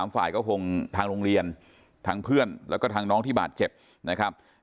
ฝ่ายก็คงทางโรงเรียนทางเพื่อนแล้วก็ทางน้องที่บาดเจ็บนะครับ